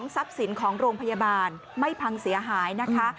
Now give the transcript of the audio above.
ทรัพย์สินของโรงพยาบาลไม่พังเสียหายนะคะ